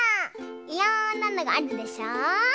いろんなのがあるでしょ。